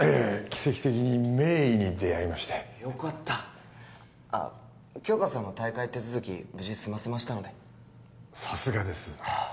奇跡的に名医に出会いましてよかったあっ杏花さんの退会手続き無事済ませましたのでさすがです